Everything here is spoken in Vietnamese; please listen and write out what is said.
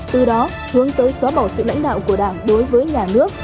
từ đó hướng tới xóa bỏ sự lãnh đạo của đảng đối với nhà nước